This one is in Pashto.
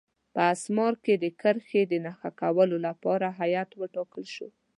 په اسمار کې د کرښې د نښه کولو لپاره هیات وټاکل شو.